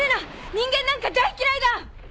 人間なんか大っ嫌いだ！